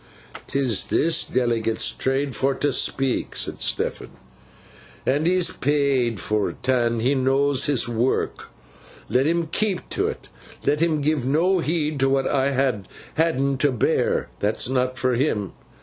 ''Tis this Delegate's trade for t' speak,' said Stephen, 'an' he's paid for 't, an' he knows his work. Let him keep to 't. Let him give no heed to what I ha had'n to bear. That's not for him.